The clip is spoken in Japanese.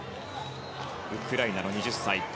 ウクライナの２０歳。